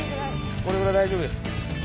これぐらい大丈夫です。